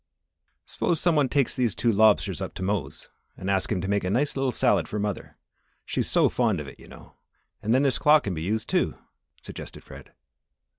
"S'pose some one takes these two lobsters up to Mose and ask him to make a nice little salad for mother; she is so fond of it, you know, and then this claw can be used, too," suggested Fred.